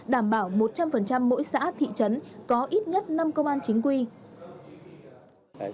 đảm bảo một trăm linh mỗi xã thị trấn có ít nhất năm công an chính quy